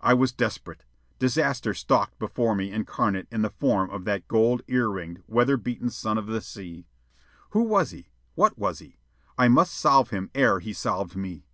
I was desperate. Disaster stalked before me incarnate in the form of that gold ear ringed, weather beaten son of the sea. Who was he? What was he? I must solve him ere he solved me.